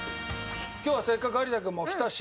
今日はせっかく有田君も来たし。